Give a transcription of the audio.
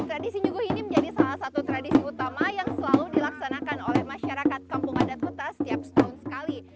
tradisi nyuguh ini menjadi salah satu tradisi utama yang selalu dilaksanakan oleh masyarakat kampung adat kuta setiap setahun sekali